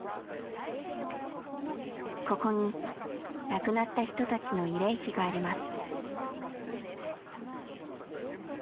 ここに亡くなった人たちの慰霊碑があります。